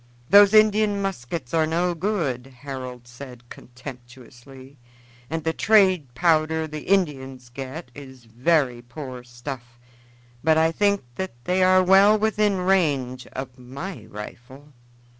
"Those Indian muskets are no good," Harold said contemptuously, "and the trade powder the Indians get is very poor stuff; but I think that they are well within range of my rifle."